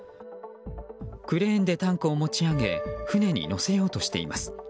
クレーンでタンクを持ち上げ船に載せようとしています。